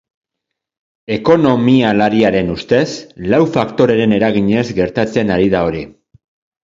Ekonomialariaren ustez, lau faktoreren eraginez gertatzen ari da hori.